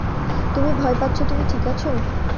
তুমি ভয় পাচ্ছ তুমি ঠিক আছো?